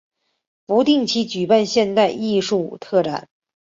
不定期举办现代艺术特展。